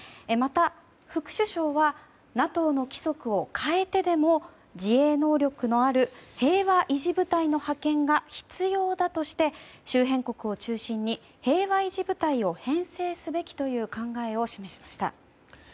また、副首相はＮＡＴＯの規則を変えてでも自衛能力のある平和維持部隊の派遣が必要だとして、周辺国を中心に平和維持部隊を編制すべきという考えを示しました。